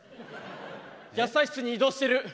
野菜室に移動してる。